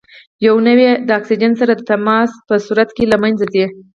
یوه نوعه یې د اکسیجن سره د تماس په صورت کې له منځه ځي.